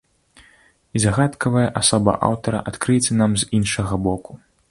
І загадкавая асоба аўтара адкрыецца нам з іншага боку.